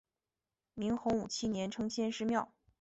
明洪武七年称先师庙。